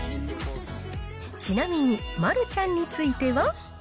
ちなみに丸ちゃんについては。